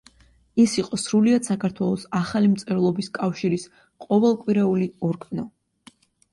ის იყო სრულიად საქართველოს ახალი მწერლობის კავშირის ყოველკვირეული ორგანო.